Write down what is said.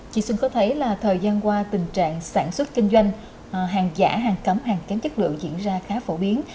chị xin có thấy là thời gian qua tình trạng sản xuất kinh doanh hàng giả hàng cấm hàng kém chất lượng diễn ra khá phổ biến